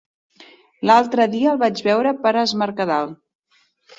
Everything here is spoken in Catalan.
L'altre dia el vaig veure per Es Mercadal.